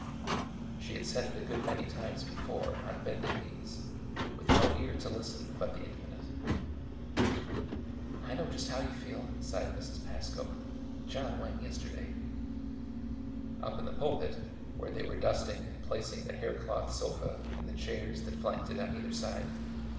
She had said it a good many times before, on bended knees, with no ear to listen but the Infinite. " I know just how you feel," sighed Mrs. PascOo John went yesterday." Up in the pulpit, where they were dusting and placing the hair cloth sofa and the chairs that flanked it on either side.